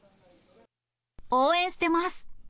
応援してます。